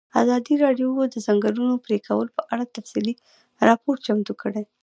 ازادي راډیو د د ځنګلونو پرېکول په اړه تفصیلي راپور چمتو کړی.